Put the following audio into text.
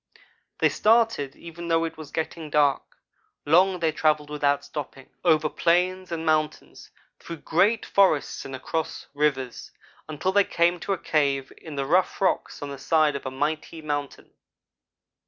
"They started, even though it was getting dark. Long they travelled without stopping over plains and mountains through great forests and across rivers, until they came to a cave in the rough rocks on the side of a mighty mountain.